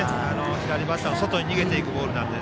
左バッターの外に逃げていくボールなので